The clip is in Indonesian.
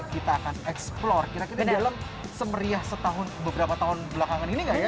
kita akan eksplor kira kira dalam semeriah setahun beberapa tahun belakangan ini gak ya